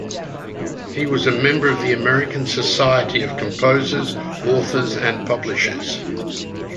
He was a member of the American Society of Composers, Authors and Publishers.